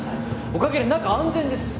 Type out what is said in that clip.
おかげで中は安全です。